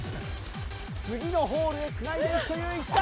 次のホールへつないでいくという一打！